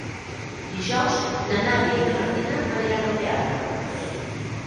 Dijous na Nàdia i na Martina aniran al teatre.